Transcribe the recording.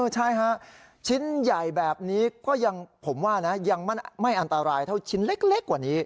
ใช่ฮะชิ้นใหญ่แบบนี้ก็ยังผมว่านะยังไม่อันตรายเท่าชิ้นเล็กกว่านี้